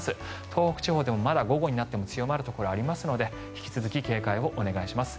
東北地方でもまだ午後になっても強まるところがありますので引き続き警戒をお願いします。